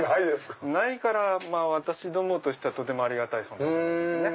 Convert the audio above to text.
ないから私どもとしてはとてもありがたい存在です。